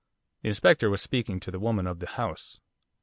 The Inspector was speaking to the woman of the house.